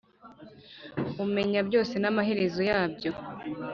umenya byose n'amaherezo yabyo